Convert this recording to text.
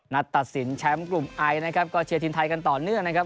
ตัดสินแชมป์กลุ่มไอนะครับก็เชียร์ทีมไทยกันต่อเนื่องนะครับ